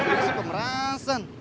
ini sih pemerasan